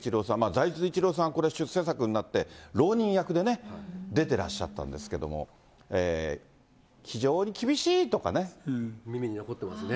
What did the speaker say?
財津一郎さん、これ、出世作になって浪人役でね、出てらっしゃったんですけど、耳に残ってますね。